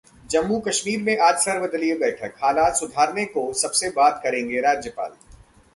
जम्मू-कश्मीर में आज सर्वदलीय बैठक, हालात सुधारने को सबसे बात करेंगे राज्यपाल